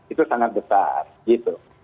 itu sangat besar